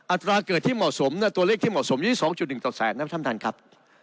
ตราเกิดที่เหมาะสมตัวเลขที่เหมาะสม๒๑ต่อแสนนะครับท่านท่านครับ